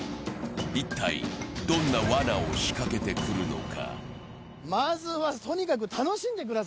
一体、どんなわなを仕掛けてくるのか。